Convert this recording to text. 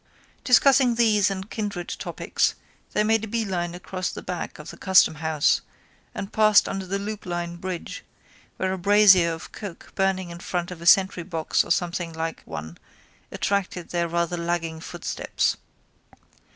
Discussing these and kindred topics they made a beeline across the back of the Customhouse and passed under the Loop Line bridge where a brazier of coke burning in front of a sentrybox or something like one attracted their rather lagging footsteps.